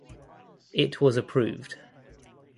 It was approved.